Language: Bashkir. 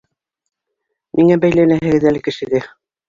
Ниңә бәйләнәһегеҙ әле кешегә?